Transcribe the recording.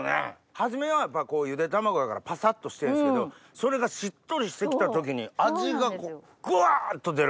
初めはゆで卵やからパサっとしてるんですけどそれがしっとりして来た時に味がぐわっと出る！